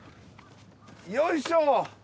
よいしょ！